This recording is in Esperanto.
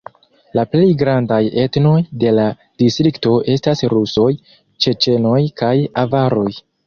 La plej grandaj etnoj de la distrikto estas rusoj, ĉeĉenoj kaj avaroj.